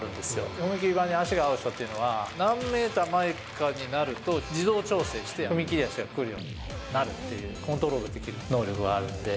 踏み切り板に足が合う人っていうのは、何メーター前かになると、自動調整して、踏み切り足が来るようになるっていう、コントロールできる能力があるんで。